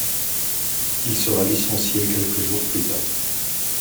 Il sera licencié quelques jours plus tard.